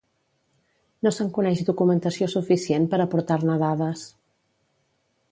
No se'n coneix documentació suficient per aportar-ne dades.